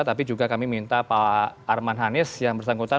tapi juga kami minta pak arman hanis yang bersangkutan